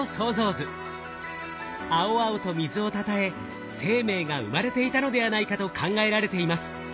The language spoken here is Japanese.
青々と水をたたえ生命が生まれていたのではないかと考えられています。